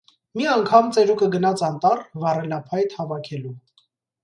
Մի անգամ ծերուկը գնաց անտառ՝ վառելափայտ հավաքելու։